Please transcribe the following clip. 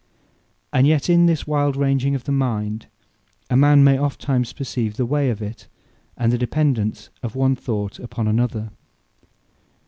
And yet in this wild ranging of the mind, a man may oft times perceive the way of it, and the dependance of one thought upon another.